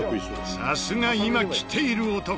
さすが今キテいる男。